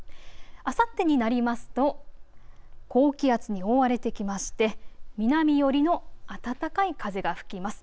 あさってになりますと高気圧に覆われてきまして南寄りの暖かい風が吹きます。